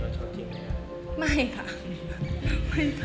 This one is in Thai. จริงแล้วชอบจริงไหมครับ